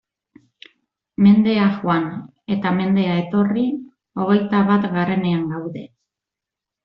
Mendea joan eta mendea etorri, hogeita batgarrenean gaude!